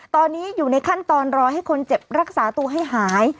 ตอนนี้อยู่ในขั้นตอนรอให้คนเจ็บรักษาตัวให้หาย